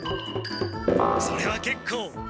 それはけっこう。